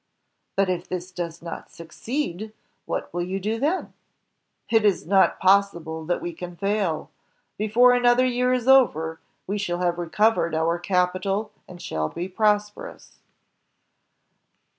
"But if this does not succeed, what will you do then?" "It is not possible that we can fail. Before another year is over, we shall have recovered our capital and shall be prosperous."